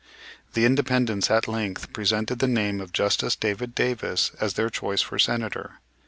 The Independents at length presented the name of Justice David Davis as their choice for Senator.